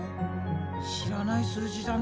知らない数字だな。